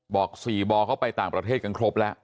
บอก๔บเขาไปต่างประเทศกันครบแล้ว